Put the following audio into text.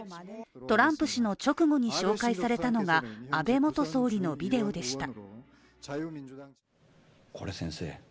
トランプ氏の直後に紹介されたのが安倍元総理のビデオでした。